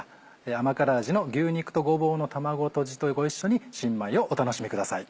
甘辛味の牛肉とごぼうの卵とじとご一緒に新米をお楽しみください。